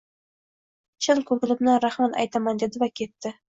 Chin koʻnglimdan rahmat aytaman, dedi va ketdi